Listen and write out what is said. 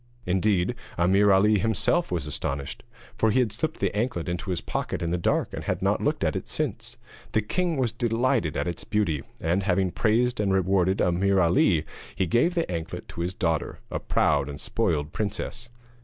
Indeed, Ameer Ali himself was astonished, for he had slipped the anklet into his pocket in the dark and had not looked at it since. The king was delighted at its beauty, and having praised and rewarded Ameer Ali, he gave the anklet to his daughter, a proud and spoiled princess.